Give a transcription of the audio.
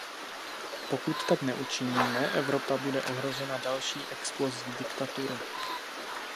Pokud tak neučiníme, Evropa bude ohrožena další explozí diktatury.